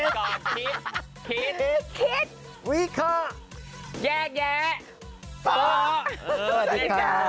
สวัสดีค่ะ